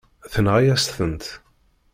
Tenɣa-yas-tent.